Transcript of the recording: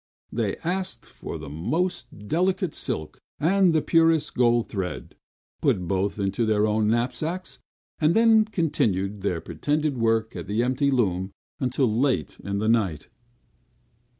They asked for the most delicate silk and the purest gold thread; put both into their own knapsacks; and then continued their pretended work at the empty looms until late at night.